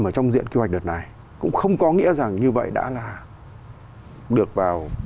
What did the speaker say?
ở trong diện kế hoạch đợt này cũng không có nghĩa rằng như vậy đã là được vào